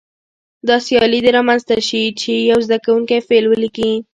داسې سیالي دې رامنځته شي چې یو زده کوونکی فعل ولیکي.